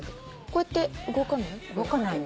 こうやって動かない？